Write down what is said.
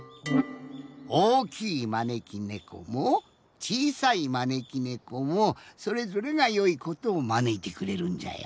おおきいまねき猫もちいさいまねき猫もそれぞれがよいことをまねいてくれるんじゃよ。